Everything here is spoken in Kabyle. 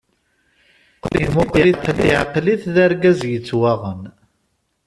Imuqel-it-id iɛqel-it d argaz yettwaɣen.